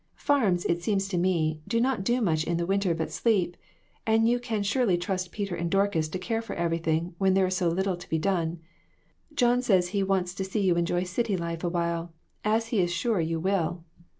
Farms, it seems to me, do not do much in the winter but sleep, and you can surely trust Peter and Dorcas to care for everything, when there is so little to be done. John says he wants to see you enjoy city life awhile, as he is sure you will."